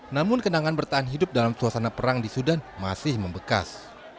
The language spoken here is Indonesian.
namun kenangan bertahan hidup dalam suasana perang di sudan masih membekas